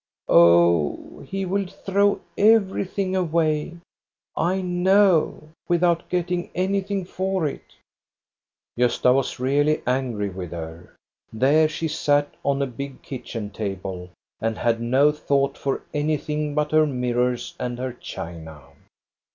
Oh, he will throw everything away, I know, without getting anything for it." THE AUCTION AT BJORNE 149 Gosta was really angry with her. There she sat on a big kitchen table, and had no thought for anything but her mirrors and her china.